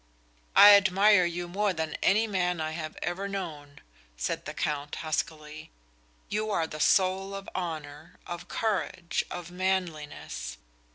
"I admire you more than any man I have ever known," said the Count, huskily, "You are the soul of honor, of courage, of manliness.